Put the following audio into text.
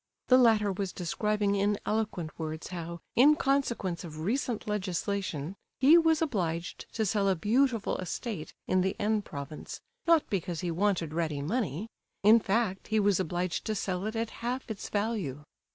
The latter was describing in eloquent words how, in consequence of recent legislation, he was obliged to sell a beautiful estate in the N. province, not because he wanted ready money—in fact, he was obliged to sell it at half its value.